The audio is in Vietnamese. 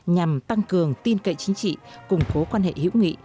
nhằm tăng cường tin cậy chính trị củng cố quan hệ hữu nghị